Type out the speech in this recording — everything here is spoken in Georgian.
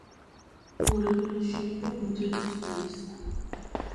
ორივე შენობა „მოდერნის“ სტილისაა.